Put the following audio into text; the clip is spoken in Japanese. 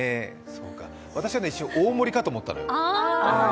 私は一瞬大森かと思ったのよ。